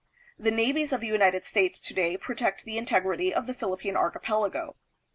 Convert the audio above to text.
The navies of the United States to day protect the integrity of the Philippine archi pelago.